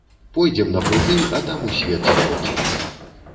Пойдзем на плыты, а там у свет шырокі.